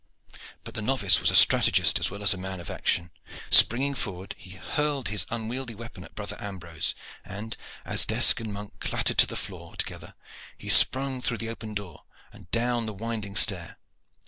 But the novice was a strategist as well as a man of action. Springing forward, he hurled his unwieldy weapon at brother Ambrose, and, as desk and monk clattered on to the floor together, he sprang through the open door and down the winding stair.